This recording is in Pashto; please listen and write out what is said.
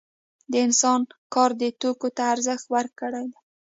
د انسان کار دې توکو ته ارزښت ورکړی دی